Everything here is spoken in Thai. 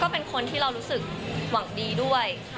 เป็นคนที่เรารู้สึกหวังดีด้วย